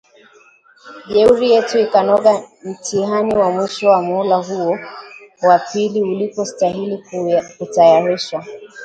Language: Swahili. Jeuri yetu ikanoga mtihani wa mwisho wa muhula huo wa pili ulipostahili kutayarishwa